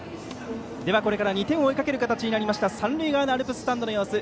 では、これから２点を追いかける形になりました三塁側のアルプススタンドの様子